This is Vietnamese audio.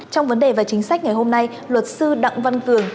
trong vấn đề và chính sách ngày hôm nay luật sư đặng văn cường